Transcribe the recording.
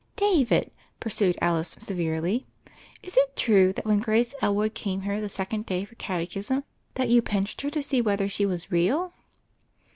"David," pursued Alice severely, "is it true that when Grace Elwood came here the second day for catechism that you pinched her to see whether she was real?"